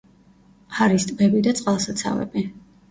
არის ტბები და წყალსაცავები.